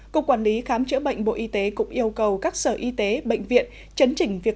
cục quản lý khám chữa bệnh bộ y tế cũng yêu cầu các sở y tế bệnh viện chấn chỉnh việc